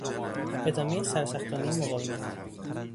ادامهی سرسختانهی مقاومت